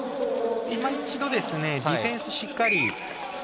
今一度ディフェンスしっかりと。